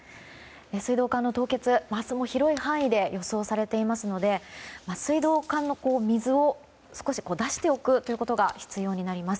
水道管の凍結、明日も広い範囲で予想されていますので水道管の水を少し出しておくということが必要になります。